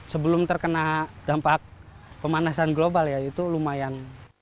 sebelum terkena dampak pemanasan global ya itu lumayan